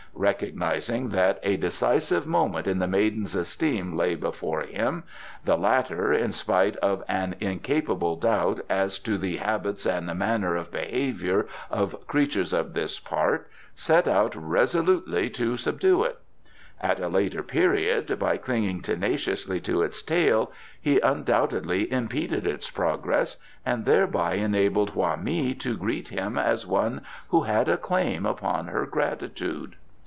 Recognizing that a decisive moment in the maiden's esteem lay before him, the latter, in spite of an incapable doubt as to the habits and manner of behaviour of creatures of this part, set out resolutely to subdue it. ... At a later period, by clinging tenaciously to its tail, he undoubtedly impeded its progress, and thereby enabled Hoa mi to greet him as one who had a claim upon her gratitude.